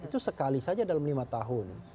itu sekali saja dalam lima tahun